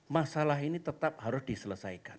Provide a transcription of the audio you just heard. masalah ini tetap harus diselesaikan